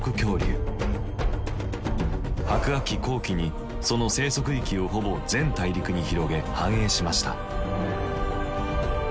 白亜紀後期にその生息域をほぼ全大陸に広げ繁栄しました。